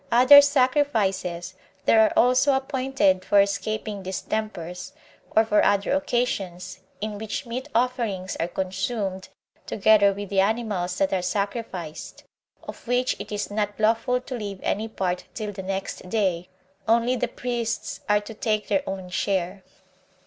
Other sacrifices there are also appointed for escaping distempers, or for other occasions, in which meat offerings are consumed, together with the animals that are sacrificed; of which it is not lawful to leave any part till the next day, only the priests are to take their own share.